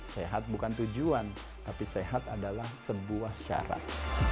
sehat bukan tujuan tapi sehat adalah sebuah syarat